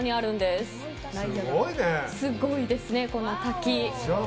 すごいですね、この滝。